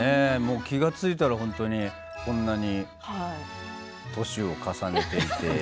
気が付いたら本当にこんなに年を重ねていて。